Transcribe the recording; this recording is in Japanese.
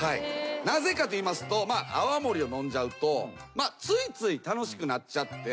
なぜかといいますと泡盛を飲んじゃうとついつい楽しくなっちゃって。